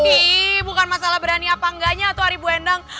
ih bukan masalah berani apa enggaknya hantu hari bu endang